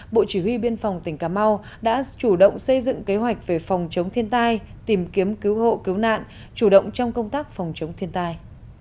bộ chỉ huy biên phòng tỉnh cà mau đã chủ động xây dựng kế hoạch về phòng chống thiên tai tìm kiếm cứu hộ cứu nạn chủ động trong công tác phòng chống thiên tai